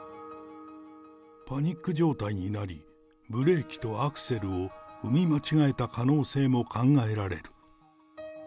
パニック状態になり、ブレーキとアクセルを踏み間違えた可能性も考えられる。